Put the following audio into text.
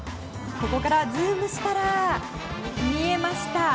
ここからズームしたら見えました。